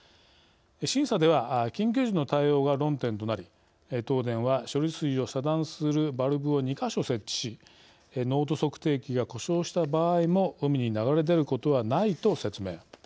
審査では緊急時の対応が論点となり東電は処理水を遮断するバルブを２か所設置し濃度測定器が故障した場合も海に流れ出ることはないと説明。